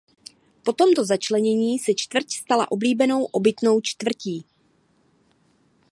Po tomto začlenění se čtvrť stala oblíbenou obytnou čtvrtí.